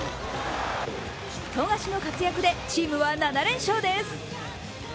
富樫の活躍でチームは７連勝です。